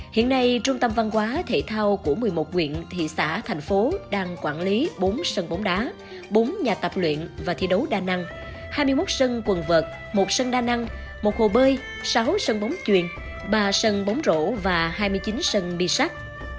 hiện nay trung tâm văn hóa thể thao của một mươi một quyện thị xã thành phố đang quản lý bốn sân bóng đá bốn nhà tập luyện và thi đấu đa năng hai mươi một sân quần vợt một sân đa năng một hồ bơi sáu sân bóng chuyền ba sân bóng rổ và hai mươi chín sân bi sắt